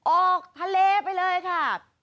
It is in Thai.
ออกทะเลไปเลยค่ะ